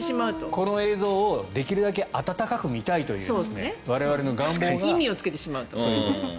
この映像をできるだけ温かく見たいという意味をつけてしまうと。